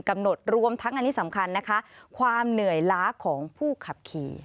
รวมทั้งอันนี้สำคัญนะคะความเหนื่อยล้าของผู้ขับขี่